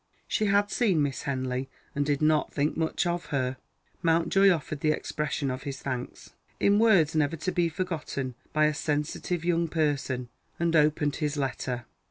(She had seen Miss Henley, and did not think much of her.) Mountjoy offered the expression of his thanks, in words never to be forgotten by a sensitive young person, and opened his letter.